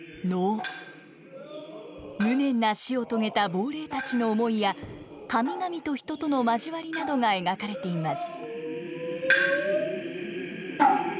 無念な死を遂げた亡霊たちの思いや神々と人との交わりなどが描かれています。